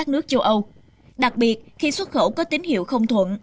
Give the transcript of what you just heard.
châu âu đặc biệt khi xuất khẩu có tín hiệu không thuận